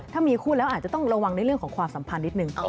ถ้ามีคู่แล้วอาจจะต้องระวังในเรื่องของความสัมพันธ์นิดนึง